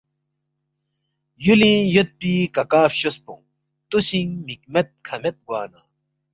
یولینگ یودپی کاکا فچوسپونگ توسینگ مک مید کھہ مید گوانا